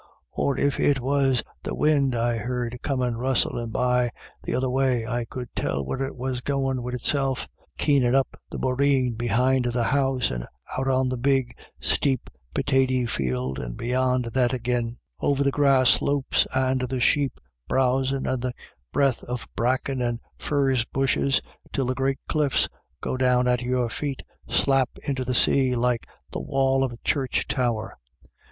Or if it was the win' I heard comin' rustlin' by, the other way, I could tell where it was goin' wid itself — keenin' up the boreen behind the house, and out on the big steep pitatie field, and beyond that agin BACKWARDS AND FORWARDS. 265 over the grass slopes, and the sheep browsin', and the breadth of bracken and furze bushes, till the great cliffs go down at your feet slap into the say like the wall of a church tower.